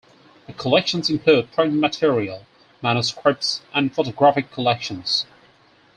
The collections include printed material, manuscripts and photographic collections.